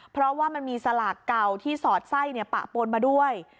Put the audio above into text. เพราะว่ามันมีสลากเก่าที่สอดไส้ปะปนมาด้วย